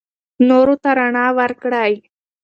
نورو ته رڼا ورکړئ.